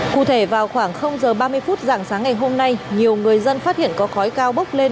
cụ thể vào khoảng giờ ba mươi phút dạng sáng ngày hôm nay nhiều người dân phát hiện có khói cao bốc lên